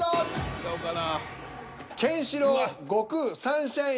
違うかな？